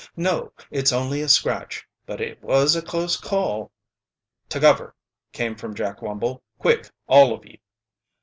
"No it's only a scratch. But it was a close call." "To cover!" came from Jack Wumble. "Quick, all of you!"